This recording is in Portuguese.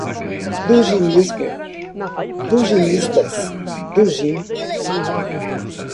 Duginismo, duginistas, Dugin